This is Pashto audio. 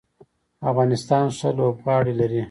افغانستان ښه لوبغاړي لري.